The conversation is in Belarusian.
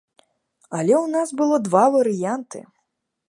Але ў нас было два варыянты.